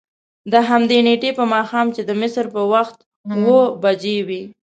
دهمدې نېټې په ماښام چې د مصر په وخت اوه بجې وې.